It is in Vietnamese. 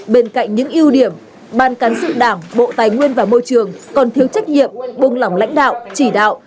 bên cạnh những ưu điểm ban cán sự đảng bộ tài nguyên và môi trường còn thiếu trách nhiệm buông lỏng lãnh đạo chỉ đạo